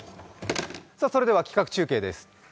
それでは企画中継です。